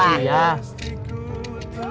kamu seneng liat ya